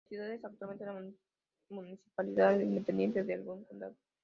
La ciudad es actualmente una municipalidad independiente de algún condado.